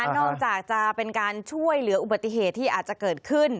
นอกจากจะเป็นการช่วยเหลืออุบัติเหตุที่อาจจะเกิดขึ้น